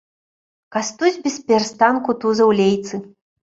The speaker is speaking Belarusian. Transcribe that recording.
Кастусь бесперастанку тузаў лейцы.